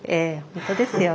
本当ですよ。